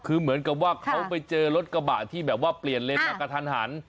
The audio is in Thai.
คือเหมือนกับว่าเขาไปเจอรถกระบะที่แบบว่าเปลี่ยนเลนมากระทันหัน